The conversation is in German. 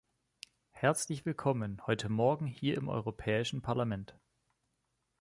Herzlich willkommen heute morgen hier im Europäischen Parlament!